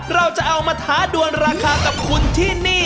เราจะเอามาท้าดวนราคากับคุณที่นี่